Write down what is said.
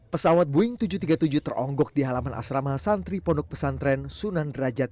pesawat boeing tujuh ratus tiga puluh tujuh teronggok di halaman asrama santri pondok pesantren sunan derajat